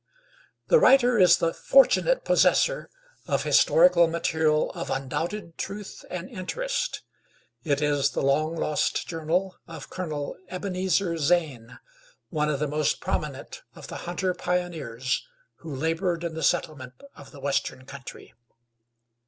The writer is the fortunate possessor of historical material of undoubted truth and interest. It is the long lost journal of Colonel Ebenezer Zane, one of the most prominent of the hunter pioneer, who labored in the settlement of the Western country.